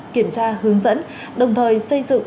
kiểm tra hướng dẫn đồng thời xây dựng